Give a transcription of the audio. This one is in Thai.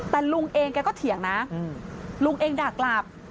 แต่ลุงเองแกก็เถียงนะลุงเองด่ากลับ